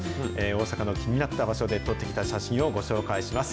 大阪の気になった場所で撮ってきた写真をご紹介します。